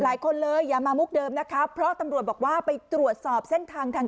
หลายคนเลยอย่ามามุกเดิมนะคะเพราะตำรวจบอกว่าไปตรวจสอบเส้นทางทาง